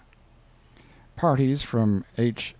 "Parties from H.